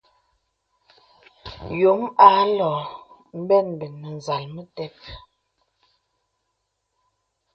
Yōm ālɔ̄ɔ̄ m̀bɛ̂bɛ̂ nə̀ zàl metep.